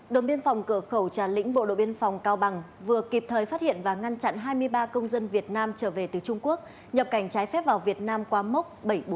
đồn biên phòng cửa khẩu trà lĩnh bộ đội biên phòng cao bằng vừa kịp thời phát hiện và ngăn chặn hai mươi ba công dân việt nam trở về từ trung quốc nhập cảnh trái phép vào việt nam qua mốc bảy trăm bốn mươi bảy